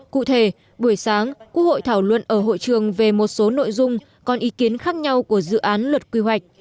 cụ thể buổi sáng quốc hội thảo luận ở hội trường về một số nội dung còn ý kiến khác nhau của dự án luật quy hoạch